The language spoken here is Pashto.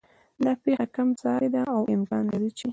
دا پېښه کم سارې ده او امکان لري چې